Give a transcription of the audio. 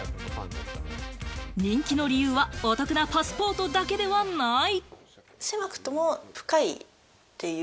人気の理由は、お得なパスポートだけではない。